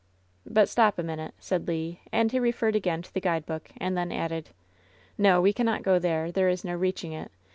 But stop a minute," said Le : and he referred again to the guidebook, and then added : "No, we cannot go there. Th€/re is no reaching it.